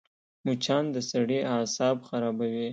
مچان د سړي اعصاب خرابوي